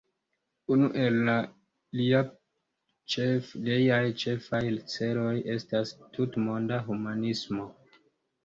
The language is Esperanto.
Unu el liaj ĉefaj celoj estas tutmonda humanismo.